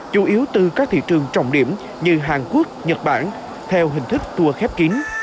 chủ yếu từ các thị trường trọng điểm như hàn quốc nhật bản theo hình thức tour khép kín